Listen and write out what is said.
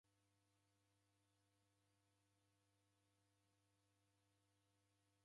Okulwa wakunyora mdinyi